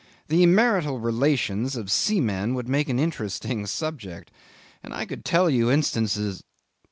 The marital relations of seamen would make an interesting subject, and I could tell you instances.